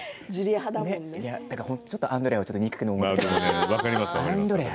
ちょっとアンドレアが憎くなってしまいます。